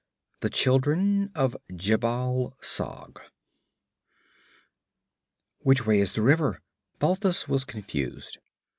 5 The Children of Jhebbal Sag 'Which way is the river?' Balthus was confused.